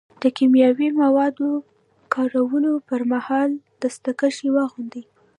د کیمیاوي موادو کارولو پر مهال دستکشې واغوندئ.